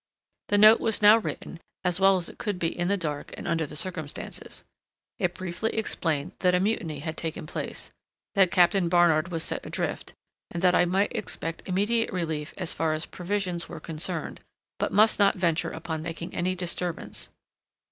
The note was now written, as well as it could be in the dark and under the circumstances. It briefly explained that a mutiny had taken place; that Captain Barnard was set adrift; and that I might expect immediate relief as far as provisions were concerned, but must not venture upon making any disturbance.